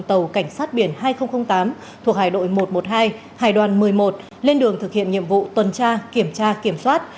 bộ tư lệnh vùng cảnh sát biển hai nghìn tám thuộc hải đội một trăm một mươi hai hải đoàn một mươi một lên đường thực hiện nhiệm vụ tuần tra kiểm tra kiểm soát